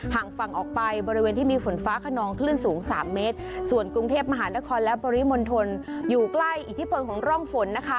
ห่างฝั่งออกไปบริเวณที่มีฝนฟ้าขนองคลื่นสูงสามเมตรส่วนกรุงเทพมหานครและปริมณฑลอยู่ใกล้อิทธิพลของร่องฝนนะคะ